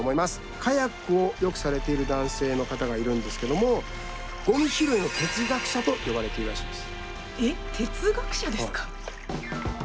カヤックをよくされている男性がいるんですけど「ごみ拾いの哲学者」と呼ばれているんです。